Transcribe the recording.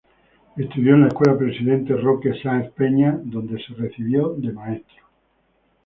Estudió en la Escuela Presidente Roque Sáenz Peña, donde se recibió de maestra.